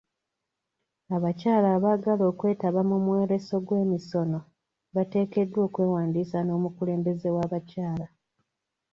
Abakyala abaagala okwetaba mu mwolese gw'emisono bateekeddwa okwewandiisa n'omukulembeze w'abakyala.